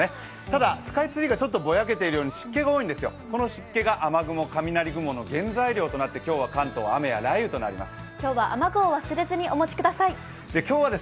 ただ、スカイツリーがちょっとぼやけているように湿気が多いんですが、この湿気が雨雲、雷雲の原材料となって今日は関東雨や雷雨となります。